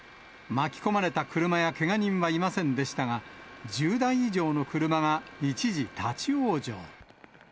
巻き込まれた車やけが人はいませんでしたが、１０台以上の車が一時、立往生。